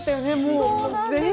そうなんです。